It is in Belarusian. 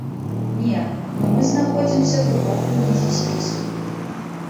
Не, ну мы знаходзімся глыбока ўнізе спісу.